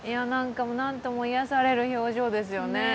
何とも癒やされる表情ですよね。